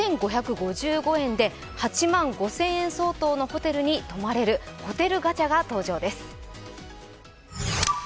５５５５円で８万５０００円相当のホテルに泊まれるホテルガチャが登場です。